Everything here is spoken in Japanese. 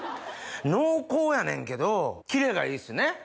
濃厚やねんけどキレがいいっすね。